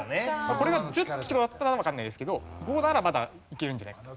これが１０匹とかだったらわかんないですけど５ならまだいけるんじゃないかと。